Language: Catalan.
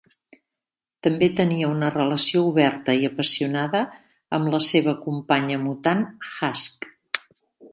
També tenia una relació oberta i apassionada amb la seva companya mutant Husk.